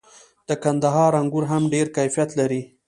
د کندهار انګور هم ډیر کیفیت لري.